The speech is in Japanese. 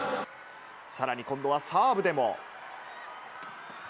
さらに今度はサーブでも。